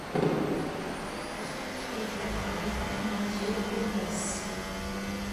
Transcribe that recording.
Sorana fut sponsorisée par l'équipementier Adidas.